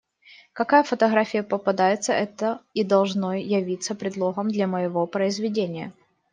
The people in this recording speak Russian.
Какая фотография попадется, это и должно явиться предлогом для моего произведения.